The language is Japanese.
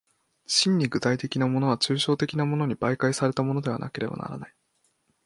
真に具体的なものは抽象的なものに媒介されたものでなければならぬ。